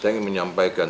saya ingin menyampaikan